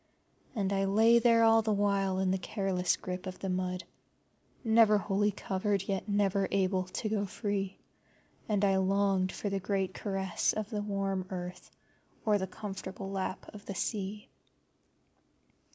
And I lay there all the while in the careless grip of the mud, never wholly covered, yet never able to go free, and I longed for the great caress of the warm Earth or the comfortable lap of the Sea.